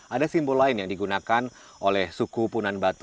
ada simbol lain yang digunakan oleh suku punan batu